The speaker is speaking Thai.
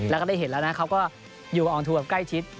แล้วได้เห็นแล้วเขาก็อยู่กับออกหนุ่มกับใกล้ชิด